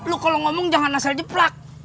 lu kalau ngomong jangan asal jeplak